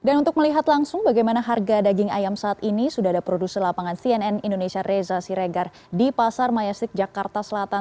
dan untuk melihat langsung bagaimana harga daging ayam saat ini sudah ada produser lapangan cnn indonesia reza siregar di pasar mayasik jakarta selatan